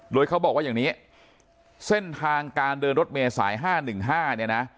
โดยเขาบอกว่าอย่างนี้เส้นทางการเดินรถเมษาย๕๑๕เนี่ยนะ